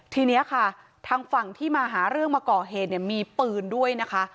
ทีนี้ค่ะทางฝั่งที่มาหาเรื่องมาก่อเหตุเนี่ยมีปืนด้วยนะคะ